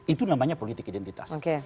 itu namanya politik identitas